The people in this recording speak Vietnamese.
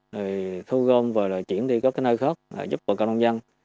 rồi thu gom và chuyển đi các nơi khác giúp bọn con nông dân